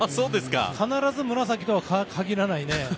必ず紫とは限らない。